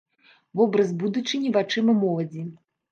Вобраз будучыні вачыма моладзі.